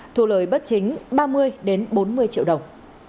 thu lời bất chính ba mươi bốn mươi triệu đồng